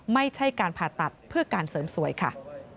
ไม่ใช่การผ่าตัดเพื่อการเสริมสวยค่ะ